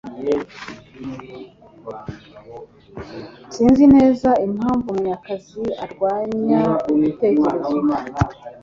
Sinzi neza impamvu Munyakazi arwanya igitekerezo